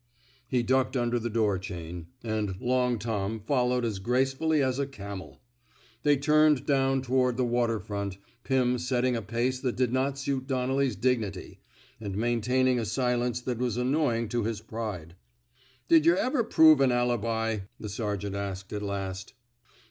He ducked under the door chain, and *' Long Tom " followed as gracefully as a camel. They turned down toward the water front, Pim setting a pace that did not suit Donnelly's dignity, and maintaining a silence that was annoying to his pride. Did y' ever prove an alibi? " the ser geant asked, at last.